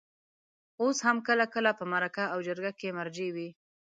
اوس هم کله کله په مرکه او جرګه کې مرجع وي.